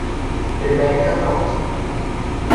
Rebecca Cotton